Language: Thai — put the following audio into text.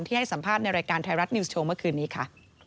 ให้สัมภาษณ์ในรายการไทยรัฐนิวส์โชว์เมื่อคืนนี้ค่ะ